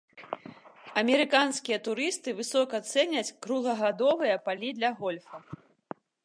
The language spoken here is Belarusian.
Амерыканскія турысты высока цэняць круглагадовыя палі для гольфа.